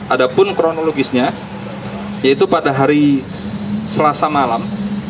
ada pun kronologisnya yaitu pada hari selasa malam